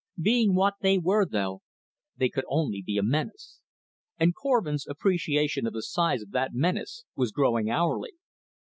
Being what they were, though, they could only be a menace. And Korvin's appreciation of the size of that menace was growing hourly.